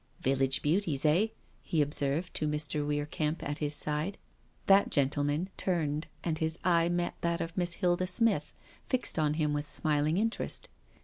"Village beauties, eh?" he observed to Mr. Weir Kemp at his side. That gentleman turned and his eye met that of Miss Hilda Smith, fixed on him with smiling interest.